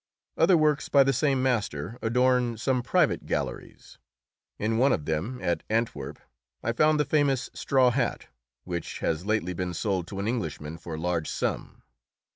Other works by the same master adorn some private galleries. In one of them, at Antwerp, I found the famous "Straw Hat," which has lately been sold to an Englishman for a large sum.